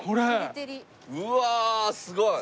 うわすごい！